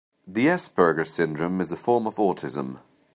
The Asperger syndrome is a form of autism.